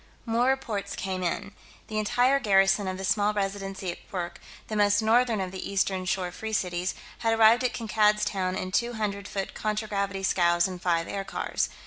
More reports came in. The entire garrison of the small Residency at Kwurk, the most northern of the eastern shore Free Cities, had arrived at Kankad's Town in two hundred foot contragravity scows and five aircars.